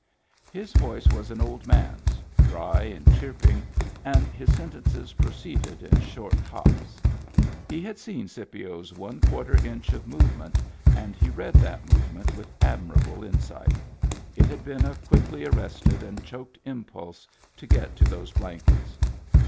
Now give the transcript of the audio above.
His voice was an old man's, dry and chirping, and his sentences proceeded in short hops. He had seen Scipio's one quarter inch of movement, and he read that movement with admirable insight: it had been a quickly arrested and choked impulse to get to those blankets.